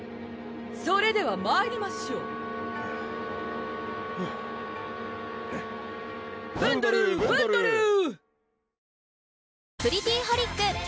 それではまいりましょうブンドルブンドルー！